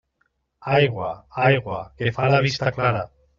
Aigua, aigua, que fa la vista clara.